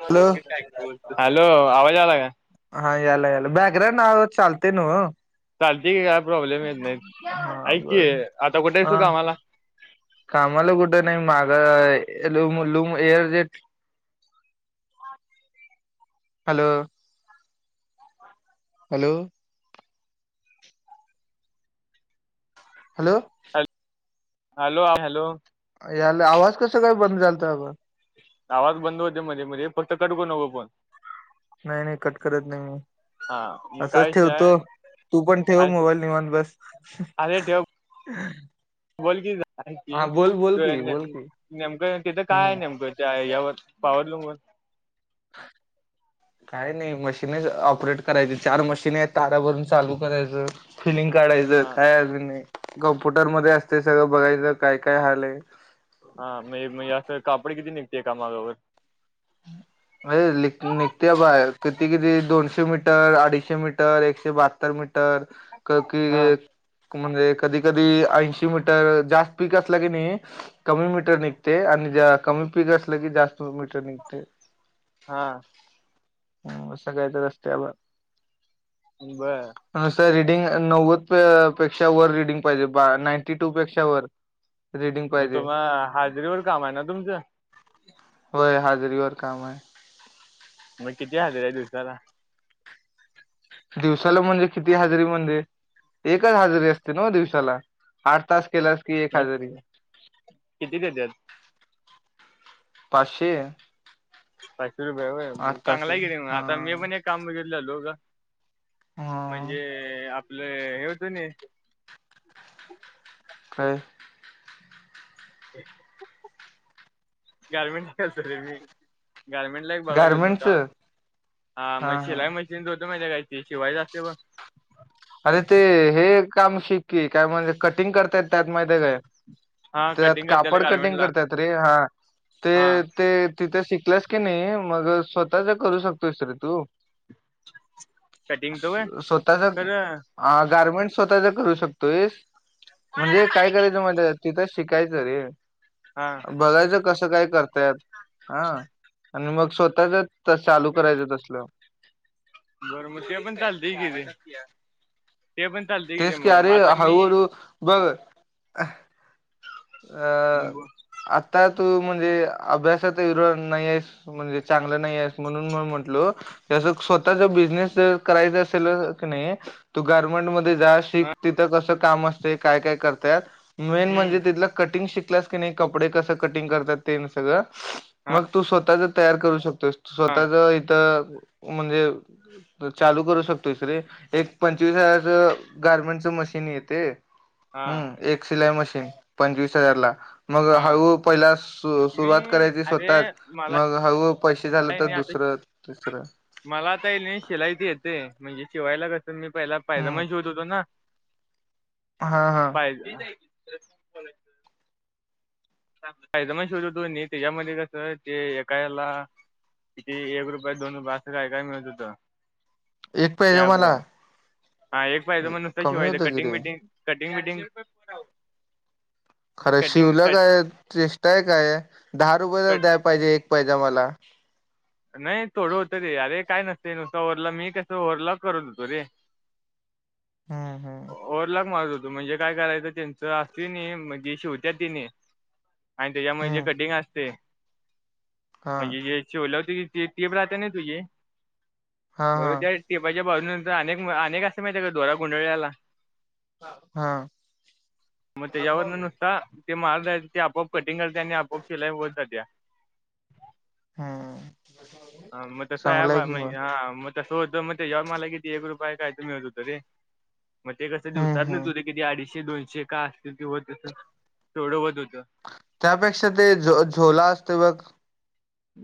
Hello य hello आवाज आला काय. हा येला येला बॅकग्रौं ना चालते नव. चालते की काय प्रॉब्लेम येत नाही. हा ऐक की बर आता कुठे आहे तू हा कामाला. कामाला कुठे नाही. माग लूम लूम एअर जे hello. Hello. Hello. Hello hello hello. याला आवाज कस काय बंद झालता अबा. आवाज बंद होते मध्ये मध्ये फक्त कट नको करु फोन. नाही नाही कट करत नाही मी. हा मग काय असंच विषय ठेवतो, आहे तू पण ठेव मोबाईल निवांत बस. अरे ठेव [unintelligible] बोल की गं, ऐक हा बोल बोल बोल की की नेमकं तिथं हम्म काय नेमकं. ते यावर पावरलूम वर. [unintelligible] काय नाही मशीनच ऑपरेट करायची, चार मशीन आहेत तारा भरून चालू करायचं. फिलिंग काढायचं हा काय अजून नाही. कम्प्युटरमध्ये असतेय सगळं बघायचं काय काय व्हालंय. हा हा, म्हणजे म्हणजे असं कापड किती निघते कामावर. [unintelligible] अ निघते बाहेर, किती किती दोनशे मीटर अडीचशे मीटर एकशे बहात्तर मीटर. ककी, हा म्हणजे कधी कधी ऐंशी मीटर जास्त पीक असलं की नाही. कमी मीटर निघते, आणि ज कमी पीक असलं की जास्त मीटर निघते. हा. ह सगळी हायत रस्त्यावर. बरं. नुसार रीडिंग नव्वद पेक्षा वर रीडिंग पाहिजे. बा नाईंटी टू पेक्षा वर [inaudible] मग पाहिजे तुम्हा हाजरीवर काम आहे ना तुमचं. व्हय हाजरीवर काम आहे. मग किती हजरी आहे दिवसाला. दिवसाला म्हणजे, किती हजरी म्हणजे एकच हजरी असते न्हव दिवसाला आठ तास केलास. की एक नाही हाजरी किती देत्यात. पाशे. पाचशे रुपय हाय होय तास चांगला आहे की रे, मग हा आता मी पण एक काम बघितलेलो‌ गं. हा. म्हणजे, आपलं हे होतं नी. काय? गारमेंट [unintelligible] गारमेंट ला एक बघाय गेलतो काम गारमेंटचं आ... हा मग शिलाई म [unintelligible] शिवायच असते बग. अरे ते, हे काम शिक की काय म्हणत्यात म्हणजे कटिंग करतायेत त्यात माहिती काय. हा त्यात कटिंग करत्याल कापड कटिंग गारमेंटला करत्यात. रे हा ते हा ते, तिथे शिकलास कनी, मग स्वतःचं करू शकतो रे तू. कटिंगचं होय स्वतःचं. खरं ह गार्मेंट स्वतःचा करू शकतोयस. म्हणजे काय करायचं माहिती काय. शिकायचं रे, हा. बघायचं कसं काय करतायत, हा आणि मग स्वतःचं. तस चालू करायचं तसलं. गरमत्या पण चालत कि ते पण चालते कि ते तेच की मग म अरे आता मी हळूहळू बघ अ हम्म आता तू म्हणजे अभ्यासात हरो नाही आहेस म्हणजे चांगलं नाही आहे म्हणून म म्हंटल जसं स्वतःचा बिझनेस जर करायचा असेल क नाही तू गारमेंटमध्ये जा शिक तिथं कसं काम असते काय काय करताय मेन म्हणजे तिथलं कटिंग शिकलास की नाही कपडे कसं कटिंग करतात ते सगळं मग तू स्वतःच तयार करू शकतोस स्वतःच इथं म्हणजे तर चालू करू शकतो रे एक पंचवीस हजारच गारमेंटच मशीन येते हा हम्म एक सिलाई मशीन पंचवीस हजार ला मग हा हळू पहिला मी सुरुवात करायची अरे स्वतःच मला मग हळ पैसे झालं काय तर नाही आता दुसरं तिसरं मला आता नाही शिलाईत येते म्हणजे शिवायला क तर मी पहिला फयदा हम्म मण शोध होतो ना हा हा पाहि ते फयदा मण शोधतो त्याच्यामध्ये कस ते एका याला किती एक रुपये दोन रुपय असं काय काय मिळत होत एक पाहिजे शॅब मला वर हा एक फायदा मण नसत कमी शिवायथ होतं कि कटिंग रे बिटिंग कटिंग बटिंग खरं शिवलं काय चेष्टाय काय दहा रुपये तर कट द्याय पाहिजे एक पाहिजे मला नाही थोडं होतं रे अरे काय नसतं नुस ओरला मी कसं ओरला करून होतो रे हम्म हम्म र लाख मझत त म्हणजे काय करायचं त्यांचं असते नाही म्हणजे शिवत्या तिने आणि त्याच्यामध्ये जे हम्म कटिंग असते हा म्हणजे जे शओलक झ टेप राहता ना तुझी हा मग हा त्या टेपाच्या बाजून नंतर अनेक अनेक असं माहितीय का धोरा गुंडळल्याला हा म याववर न ते मार ते आपआप कटिंग करते आणि आपआप शिलाई होत जात हम् ह मग तसं आहे बा हा मग तसं होतं मग जव्हा मला किती एक रुपय काय तुम्ही होतो त रे मग ते कसं हम्म दिवसात नच हम्म होते किती अडीचशे दोनशे का असतील किंवा तस थोडंवत होतं त्यापेक्षा ते झो झोला असते ब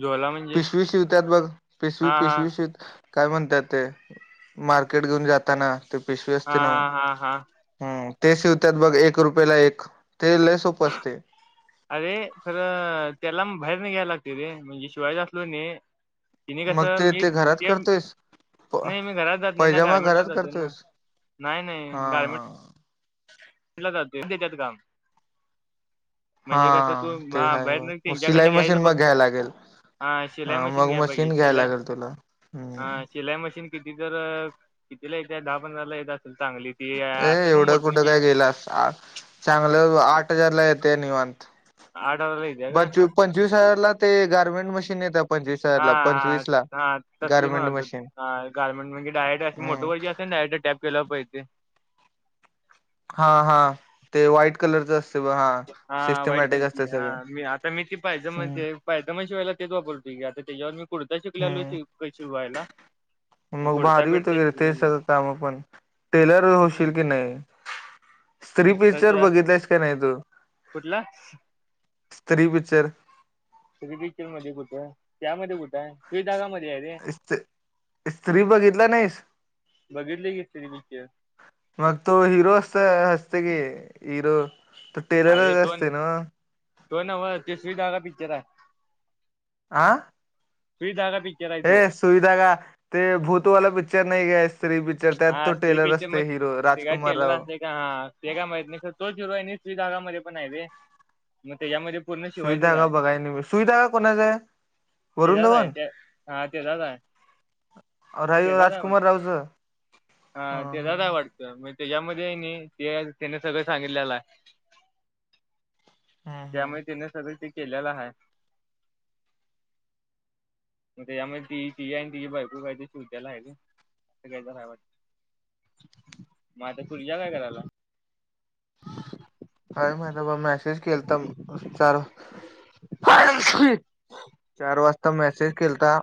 जोला म्हणजे पिशवी शिवतात बघ पिशवी हा हा पिशवी शिवत काय म्हणतात ते मार्केट घेऊन जाताना ते पिशवी हा असते ना. हा हा हा. हम् ते शिवतात बघ एक रुपयाेला एक ते ल सोप असते. अरे खरं त्याला बाहेर नाही घ्यायला लागत रे म्हणजे शिवायच असलो न. ति नाही मग कसं ते मी घरात ते करतोयस नाही मी घरात जात नाही नाही पैजामा गारमेंटला घरात जातो ना करतोयस नाही हा नाही गार्मेंट च्याात काम हा म्हणजे कसं तू ते हाय बहेर होय. मग त्यांच्याकडन सिलाई घ्यायचं मशीन मग फक्त घ्यायला लागेल हा शिलाई मशीन मग घ्या पाहिजे घ्यायला शिलाई लागेल तुला हा हम्म शिलाई मशीन किती तर कितीला येत दहा पंधरा ला येत असेल चांगली. ती अ असते पण एवढं कुठं मोटरीची काय गेलास चांगलं आठ हजारला येते निवांत आडवारला इ्याग पंचवी पंचवीस हजारला ते गार्मेंट मशीन येत. हाा हा तसली गारमेंट म्हणत हो. मशीन ह गारमेंट म्हणे डायरेटे हम्म मोठो वरची असते ना डयरेक्ट टॅप केला पाहिजे. हा हा ते व्हाईट कलरच ब हा हा वाईट सिस्टमॅटिक कराची असते हा सगळं मी आता मी ती पाहिजे हम्म म्हणते पाहि तर मग शिवायला तेच वापरतो की आता त्याच्यावर मी कुडता शिकलेलो हम्म श शिवायला मग कुडता भारी होते बिडता गर ते शिकलेलो सगळं काम आपण टेलर होशील हम्म की नाही स््री पिकचर बघितलास का नाही तू कुठलं स्त्री पिक्चर रिबिकचल मध्ये कुठं आहे त्यामध्ये कुठं आहे. हे धागामध्ये आहे रे त स्त्री बघितला नाहीस. बघितली घी तक मग तो हिरो असत हसते की हिरो तर ह तो तो ना ह तेशवीग पिक्चर आहे. आं. तुहीा? हे सुविधा का ते भूतवाला पिक्चर नाही गस स्त्री बिक्चर त्यात हा तो स्त्री टेलर पिक्चर असते मग हिरो ते काय राजकुमार टेलर राव असते हा ते काय मा तो चिरवा्रीधागामध्ये पण आहे र मग त्याच्यामध्ये पूर्ण शिवायचंच सुुईदगा आहे बघा नि च सुईदगा कोणा ज तेचाच आहे ते हा तेचाच आहे. रा त्याचाच आहे राजकुमार वाटतं राव स हा तेला वाटतं मग त्याच्यामध्ये आहे नाही ते त्याने सगळं सांगितलेला आहे. हम्म हम्म त्यामुळे तिने सगळ ते केलेलं आहे. [unintelligible] मग त्यामुळे ती ती आहे आणि तिची बायको काय त श उध्यायला आहे का अस कायचय वाटत. माता खुल जाला कराला काय माहि बा मेसेज केला तर चार चार वाजता मेसेज केलता.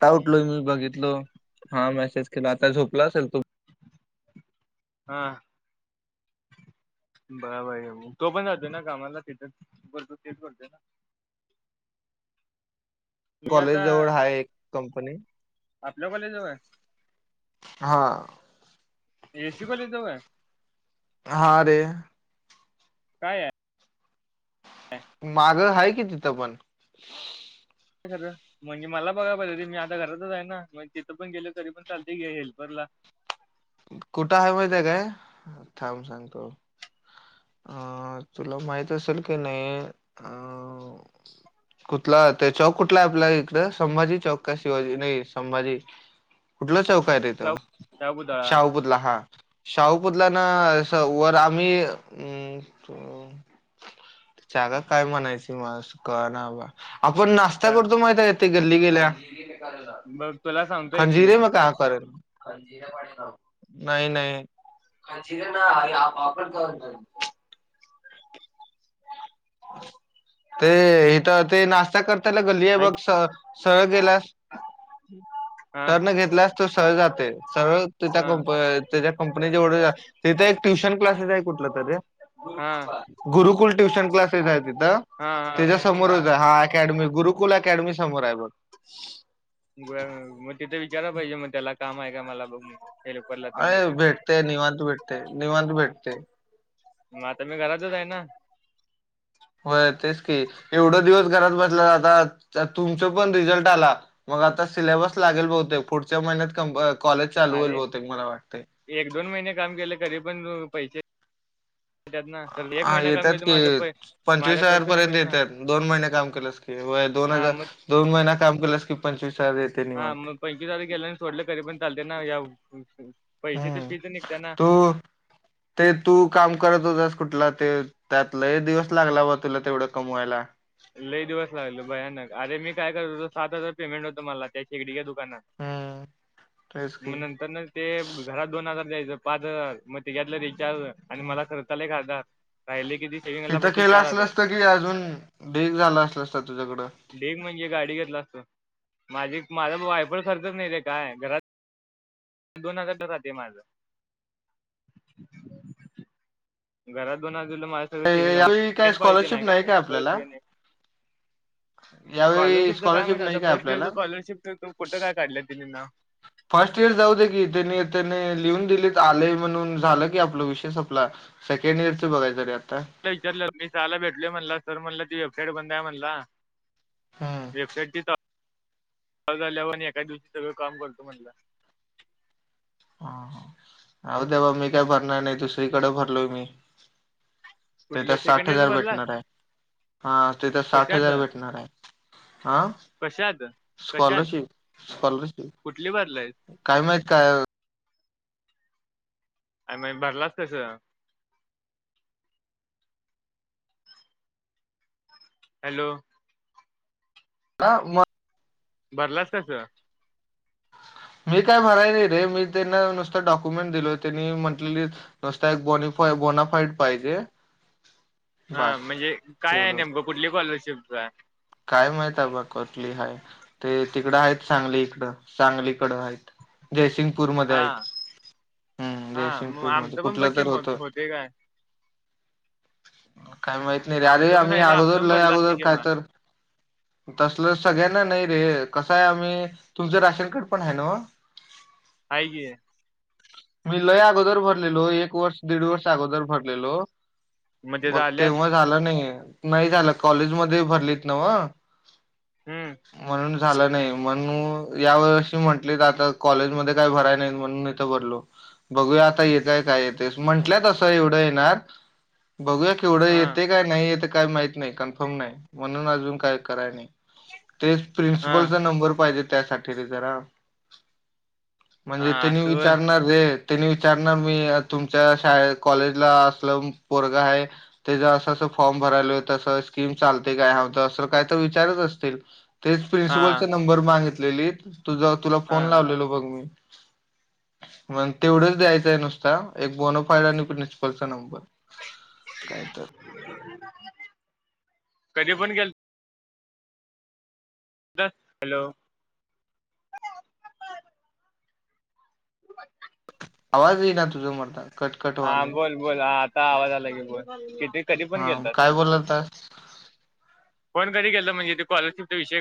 टलो मी बघितलो हा मेसेज केला आता झोपला असेल तो हा. बबार तो पण जातोय ना कामाला तिथेतो तेच करतोय ना. मी कॉलेज आता जवळ हा एक कंपनी आपल्या कॉलेज जवळ हा. एसी कोली जाऊ आहे हा रे काय आहे. मागं आहे की तिथं पण ह. म्हणजे मला बघा पाहिजे ते मी आता घरातच आहे ना मग तिथं पण गेलो तरी पण चालते घ हेल्परला कुठं आहे माहिित आहे काय थांब सांगतो अं तुला माहित असेल की नाही अ कुठला ते चौक कुठला आपल्या इकड संभाजी चौक का शिवाजी नाही संभाजी कुठला चौक रे तो शाबू शाबुदाळा शाहुपुतला हा शाहुपुतला ना वर आम्ही अ जागा काय म्हणायची मास क नाबा आपण नाश्ता करतो माहिित यथे गल्ली गेल्या बघ तुला सांगतो एक मी खंजीरे म का करेल जिर पडे नाही नाही का जिरण कर ते इथ ते नाश्ता करता ल गल्ली आहे ऐक बघ स सळ गेलास हा टर्न घेतल्यास तर सरळ जाते सरळ त्या हा कंप त्याच्या कंपनी ज एवढ तिथे एक ट्युशन क्लासेस आहे कुठलं तरी हा गुरुकुल ट्युशन क्लासेस आहे तिथं हा हा त्याच्या समोरच आहे हा अकॅडमी गुरुकुल अकॅडमी समोर आहे बग ग मग ते गरा पाहिजे मग त्याला काम आहे का मला बघ म अरे भेटते निवांत भेटते निवांत भेटते. मता मी घरातच आहे ना. हो तेच की एवढं दिवस घरात बसला आता तुमचं पण रिझल्ट आला. मग आता सिलेबस लागेल बहुतेक पुढच्या महिन्यात कॉलेज चाल होईल अरे बहुतेक मला वाटते. एक दोन महिने काम केले करी पण पैसे त्यात ना तर एक हा महिना काम येतात केलं तर की माझं पै पंचवीस माझा हजार खर्च पर्यंत निघेल ना येतात दोन महिने काम केलंस ते दोन हा हजार मग दोन महिना काम केलंस की पंचवीस हजारेत हा मग पंचवीसज गेल्या आणि सोडलं करी पण चालत ना या पैसेचे हम्म फीच निघतेना तू ते तू काम करत होतास कुठला ते त्यातलं दिवस लागला बा तुला तेवढं कमवायला लई दिवस लागलो भयानक अरे मी काय करतो सात हजार पेमेंट होतो मला त्या शेकडीच्या्या दुकानात हम्म तेच मग की नंतर न ते घरात दोन हजार द्यायचं पाच हजार मग ते घेतलं रिचार्ज आणि मला खर् चाला एक हजार राहिले किती सेविंगला तिथं फक्त केलं चार असलं हजार असतं अजून डेग झाला असलासता तुझ्याकडं डग म्हणजे गाडी घेतला असत माझी माझा वायफळ खरचच नाही रे काय घरात दोन हजारचाखात माझ घरात बोनजूला माझ सगळं यावेळी काय सेमंगईट पळते स्कॉलरशिप नाही काय आपल्याला कायळ नाही यावेळी स्कॉलरशिपच काय स्कॉलरशिप माहि आता नाही फर्स्ट इयरच आपल्याला स्कॉलरशिप फोटं काय काढलं तिना फर्स्ट इयर जाऊ दे की त्यानी त्याने लिहून दिले आलेय म्हणून झालं की आपला विशेष आपला सेकंड इयरचं बघायचं र आता विचारलं मी चहायला भेटलय म्हणला सर म्हणला ती वेबसाईट बंद आहे म्हणला हम्म वेबसाईट झाल्यावर आणि एका दिवशी सगळं काम करतो म्हटलं हा हा अह दे बा मी काय भरणार नाही दुसरीकडे भरलोय मी कुठलं त्याच्यात साठ सेकंड इयरचं हजार भरलास भेटणार आहे हा तेथ साठ कशात हजार भेटणार आहे हा कशात कशात स्कॉलरशिप कुठली बाजला आहे काही माहीित काय आणि नाही भरलास कसं हॅलो ह म भरलास कसं मी काय भणाय नाही रे मी त्यांना नुसतं डॉक्युमेंट दिलो त्यांनी म्हटले नसता एक बोनीफा बोनाफाईट पाहिजे हा बास म्हणजे काय आहे एवढं नेमकं कुठली स्कॉलरशिपच काय माहित बाघ कटली हाय ते तिकडं आहेत सांगली इकडं सांगलीकडं आहेत हा जयसिंगपूरमध्येध्ये आहेत हम्म हा मग जयसिंगपूरमध्येध्ये आमचं पण बघ कुठलं की तर मग होतो होते काय काही माहित नाही रे अरे आमचं पण आम्ही सांगितलं आमचं अगोदर पण लय भरलं असते अगोदर की काय मग तर तसल सगळ्यांना नाही रे कसं आहे आम्ही तुमचं राशन कार्ड पण आहे ना काजे मी लय अगोदर भरलेलो एक वर्ष दीड वर्ष अगोदर भरलेलो म्हणजे मग झाल्यात तेव्हा झालं नाही नाही झालं कॉलेज मध्ये भरलीत ना म हम्म म्हणून झालं नाही म्हण या वर्षी म्हटली तर आता कॉलेजमध्येध्ये काही भराय नाहीत म्हणून इथं बरलो बघूया आता येतय काय येतेस म्हंटलं तसं एवढं येणार बघूया केवढं हा येते काय नाहीेत काही माहित नाही कन्फर्म नाही म्हणून अजून काय कराय नाही ते हा प्रिन्सिपलचा नंबर पाहिजे त्यासाठी रे जरा... हा म्हणजे त्यांनी असं व्हय विचारणार.. अरे त्यांनी विचार ना मी तुमच्या शाळेत कॉलेजला असलं पोरग आहे.. तेचा अस अस फॉर्म भरायला तसं स्कीम चालते काय हत असं काय तर विचारच असतील.. तेच हा प्रिन्सिपलचा नंबर मागितलेली तुझ तुला फोन हा लावलेलो बघ मी... मग तेवढंच द्यायचंय नुसता एक बोनोफायड आणि प्रिन्सिपलचा नंबर... काय तर. कधी पण गेल... हॅलो.. [unintelligible] आवाज येई ना तुझा मरदा... हा बोल बोल हा आता आवाज आला की बोल किती... कधी पण हा गेलतात काय बोलाल तर... कोणतरी गेलं म्हणजे ते स्कॉलरशिपचा विषय..